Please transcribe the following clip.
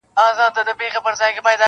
• د بلبلو په قفس کي له داستان سره همزولی -